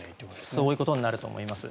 そういうことになると思います。